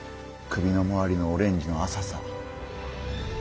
首の回りのオレンジの浅さ。